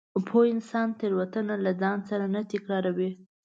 پوه انسان تېروتنه له ځان سره نه تکراروي.